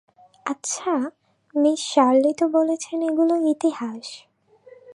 আচ্ছা, miss Shirley তো বলেছেন এগুলো ইতিহাস।